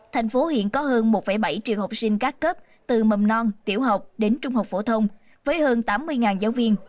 thành phố hiện có hơn một bảy triệu học sinh các cấp từ mầm non tiểu học đến trung học phổ thông với hơn tám mươi giáo viên